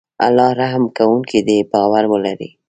الله رحم کوونکی دی باور ولری